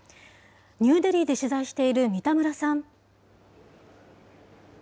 ニューデリーで取材している味田村さん。